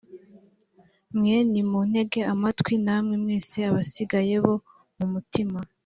mwe nimuntege amatwi namwe mwese abasigaye bo mumutima